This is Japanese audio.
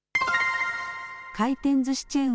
回転ずしチェーン